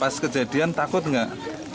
pas kejadian takut gak